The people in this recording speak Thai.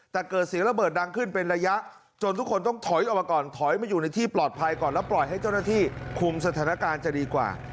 แต่เกิดเสียงระเบิดดังขึ้นเป็นระยะจนทุกคนต้องถอยออกมาก่อนถอยมาอยู่ในที่ปลอดภัยก่อนแล้วปล่อยให้เจ้าหน้าที่คุมสถานการณ์จะดีกว่า